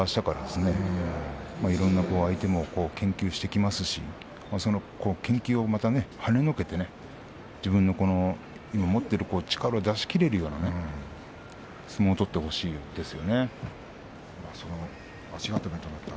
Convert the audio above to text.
相手もいろいろ研究してきますしその研究をはねのけて自分は今持っている力を出し切れるような相撲を取ってほしいですね。